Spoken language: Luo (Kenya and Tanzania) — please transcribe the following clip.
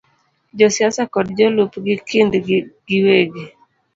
Josiasa kod jolupgi kindgi giwegi,